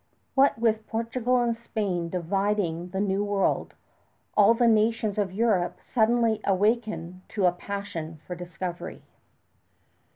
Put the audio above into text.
What with Portugal and Spain dividing the New World, all the nations of Europe suddenly awakened to a passion for discovery.